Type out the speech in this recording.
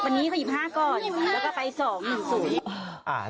อันนี้เขายิบ๕ก่อน